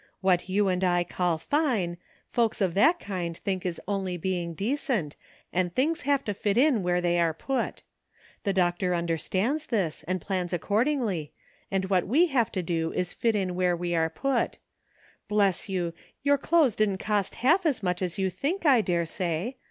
What you and I call fine, folks of that kind think is only being decent, and thing i have to fit in where they are put. The Doctor un derstands this, and plans accordingly, and what we have to do is to fit where we are put. Bless you! your clothes didn't cost half as much as you think, I daresay.